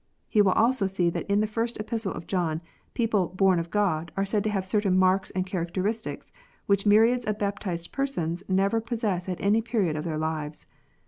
He will also see that in the first Epistle of John, people "born of God" are said to have certain marks and characteristics which myriads of baptized persons never possess at any period of their lives.